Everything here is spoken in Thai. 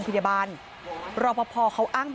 ปีบไว้ไปไหน